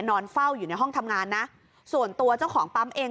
นอนเฝ้าอยู่ในห้องทำงานนะส่วนตัวเจ้าของปั๊มเอง